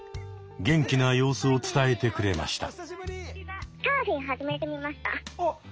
元気な様子を伝えてくれました。